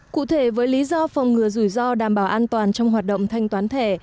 cụ thể với lý do phòng ngừa rủi ro đảm bảo an toàn trong hoạt động thanh toán thẻ